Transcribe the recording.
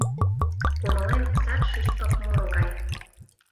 Кумылем сар шӱшпык муро гай.